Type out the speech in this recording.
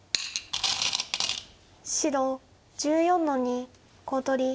白１４の二コウ取り。